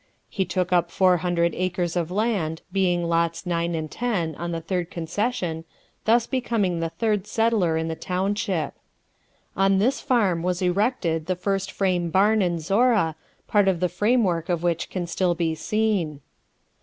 He took up four hundred acres of land, being lots 9 and 10, on the third concession, thus becoming the third settler in the township. On this farm was erected the first frame barn in Zorra, part of the framework of which can still be seen.